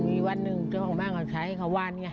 อีกวันหนึ่งเจ้าของป้ามาก่อนใช้ให้เขาวานเนี่ย